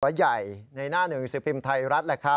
ตัวใหญ่ในหน้าหนุ่มศิษย์ภิมศ์ไทยรัฐ